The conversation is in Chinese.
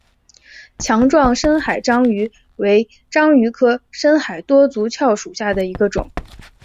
强壮深海章鱼为章鱼科深海多足蛸属下的一个种。